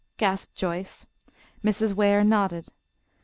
gasped Joyce. Mrs. Ware nodded.